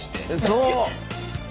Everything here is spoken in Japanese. そう！